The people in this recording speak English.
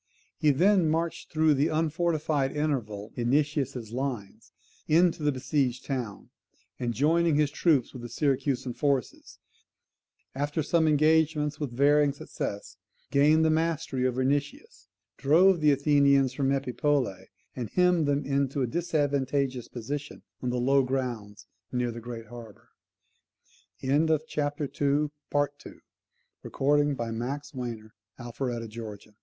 He then marched through the unfortified interval of Nicias's lines into the besieged town; and, joining his troops with the Syracusan forces, after some engagements with varying success, gained the mastery over Nicias, drove the Athenians from Epipolae, and hemmed them into a disadvantageous position in the low grounds near the great harbour. The attention of all Greece was now fixed on Syracuse; and every enemy of Athe